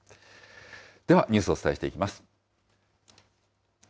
では、ニュースをお伝えしていきます。